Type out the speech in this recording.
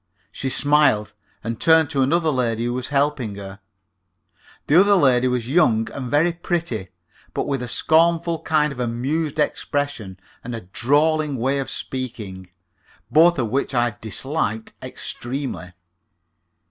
She smiled, and turned to another lady who was helping her. The other lady was young, and very pretty, but with a scornful kind of amused expression, and a drawling way of speaking both of which I disliked extremely.